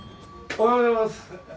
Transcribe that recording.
おはようございます。